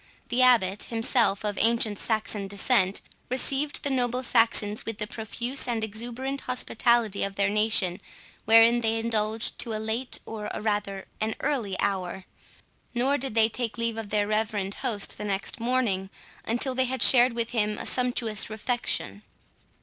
The Abbot, himself of ancient Saxon descent, received the noble Saxons with the profuse and exuberant hospitality of their nation, wherein they indulged to a late, or rather an early hour; nor did they take leave of their reverend host the next morning until they had shared with him a sumptuous refection.